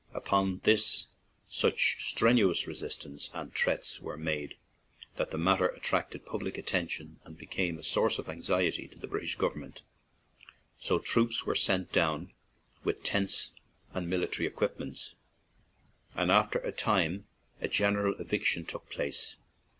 Upon this, such strenuous resistance and threats were made that the matter attracted public attention and be came a source of anxiety to the British government; so troops were sent down with tents and military equipments, and 3 33 ON AN IRISH JAUNTING CAR after a time a general eviction took place.